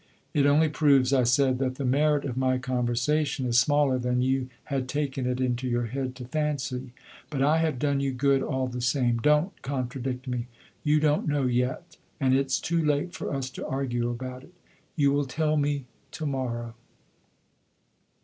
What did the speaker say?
'It only proves,' I said, 'that the merit of my conversation is smaller than you had taken it into your head to fancy. But I have done you good, all the same. Don't contradict me; you don't know yet; and it 's too late for us to argue about it. You will tell me to morrow.